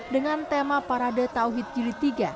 dengan tema parade tauhid jilid tiga